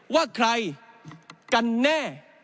ว่าใครกันแน่